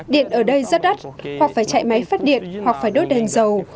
điện ở đây rất đắt hoặc phải chạy máy phát điện hoặc phải đốt đèn dầu